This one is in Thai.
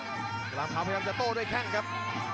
ลามขาวพยายามจะโต้ด้วยแข้งครับ